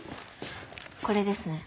これですね。